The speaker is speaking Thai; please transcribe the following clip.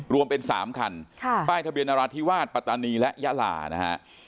รวมเป็น๓คันป้ายทะเบียนนราธิวาสปัตตานีและยาลานะฮะ